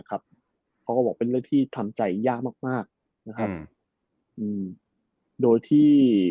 เขาก็บอกเป็นเรื่องที่ทำใจยากมากมากนะครับอืมโดยที่